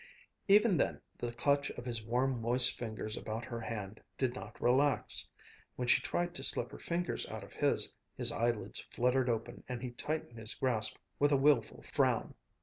Even then, the clutch of his warm, moist fingers about her hand did not relax. When she tried to slip her fingers out of his, his eyelids fluttered open and he tightened his grasp with a wilful frown.